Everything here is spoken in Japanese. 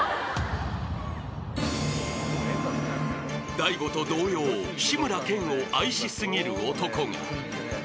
［大悟と同様志村けんを愛し過ぎる男が］